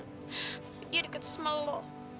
tapi dia deket sama lo